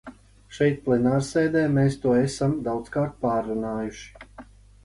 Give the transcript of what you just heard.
Šeit plenārsēdē mēs to esam daudzkārt pārrunājuši.